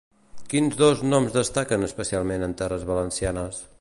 Quins dos noms destaquen especialment en terres valencianes?